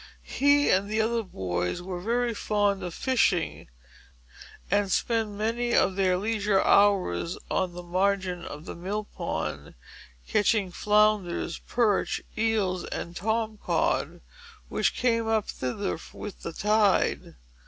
He and the other boys were very fond of fishing, and spent any of their leisure hours on the margin of the mill pond, catching flounders, perch, eels, and tom cod, which came up thither with the tide.